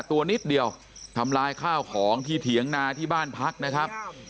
ตัวนิดเดียวทำลายข้าวของที่เถียงนาที่บ้านพักนะครับ